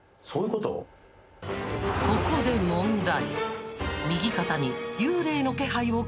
［ここで問題］